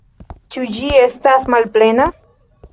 Ĉu ĝi estas malplena?